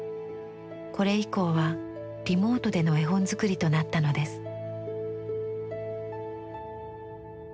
これ以降はリモートでの絵本作りとなったのです。